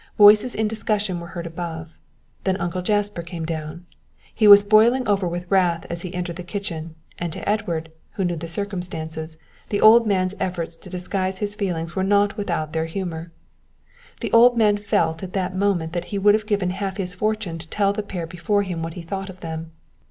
Voices in discussion were heard above. Then Uncle Jasper came down. He was boiling over with wrath as he entered the kitchen, and to Edward, who knew the circumstances, the old man's efforts to disguise his feelings were not without their humour. The old man felt at that moment that he would have given half his fortune to tell the pair before him what he thought of them.